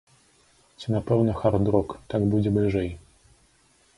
Ці, напэўна, хард-рок, так будзе бліжэй.